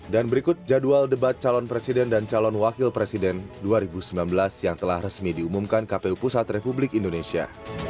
dan berikut jadwal debat calon presiden dan calon wakil presiden dua ribu sembilan belas yang telah resmi diumumkan kpu pusat republik indonesia